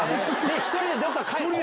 １人でどっかに。